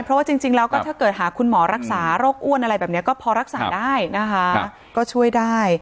เพราะว่าจริงแล้วก็ถ้าเกิดหาคุณหมอรักษาโรคอ้วนอะไรแบบนี้ก็พอรักษาได้นะคะก็ช่วยได้